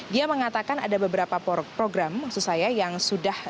dia mengatakan ada beberapa program maksud saya yang sudah